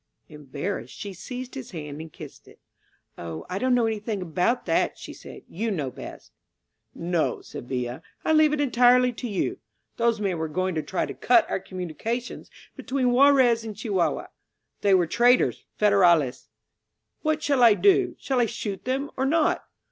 Embarrassed, she seized his hand and kissed it. ^^Oh, I don't know anything about that," she said, ^^ou know best." No," said Villa. "I leave it entirely to you. Those men were going to try to cut our communications be tween Juarez and Chihuahua. They were traitors — Federals. What shall I do? Shall I shoot them or not?"